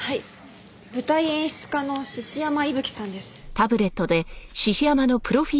舞台演出家の獅子山伊吹さんです。